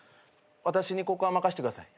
私にここは任してください。